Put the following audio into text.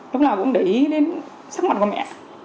lúc nào cũng để ý đến sắc mặt của mẹ